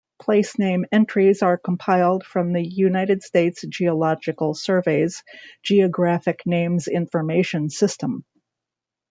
Placename entries are compiled from the United States Geological Survey's Geographic Names Information System.